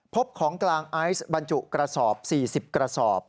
พบของกลางไอซ์บรรจุกระสอบ๔๐กระสอบ